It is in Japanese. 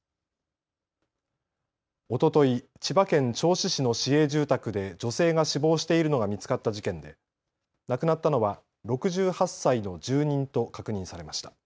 おととい、千葉県銚子市の市営住宅で女性が死亡しているのが見つかった事件で亡くなったのは６８歳の住人と確認されました。